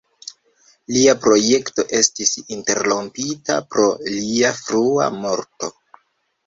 Lia projekto estis interrompita pro lia frua morto.